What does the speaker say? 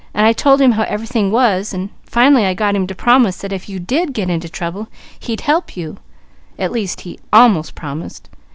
I told him how everything was, and finally I got him to promise that if you did get into trouble he'd help you, at least he almost promised.